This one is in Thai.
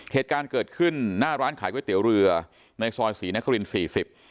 เหตุการณ์เกิดขึ้นหน้าร้านขายก๋วยเตี๋ยวเรือในซอยศรีนครินสี่สิบ